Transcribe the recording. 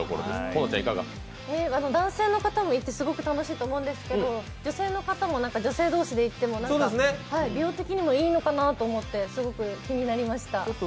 男性の方もいて、すごく楽しいと思うんですけれども女性の方も女性同士で行っても量的にもいいのかなと思ってすごく気になりました。